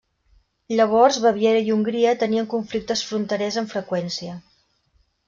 Llavors Baviera i Hongria tenien conflictes fronterers amb freqüència.